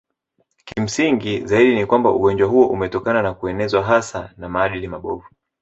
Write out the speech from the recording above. Kimsingi zaidi ni kwamba ugonjwa huo umetokana na kuenezwa hasa na maadili mabovu